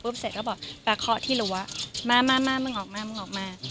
ปุ๊บเสร็จแล้วบอกปลาเคาะที่รัวมามึงออกมา